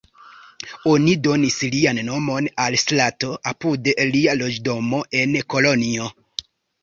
Oni donis lian nomon al strato apud lia loĝdomo en Kolonjo.